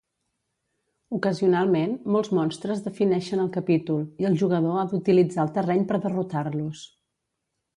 Ocasionalment, molts monstres defineixen el capítol, i el jugador ha d'utilitzar el terreny per derrotar-los.